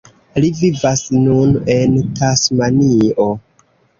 Li vivas nun en Tasmanio.